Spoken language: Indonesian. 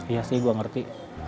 iya sih gue ngerti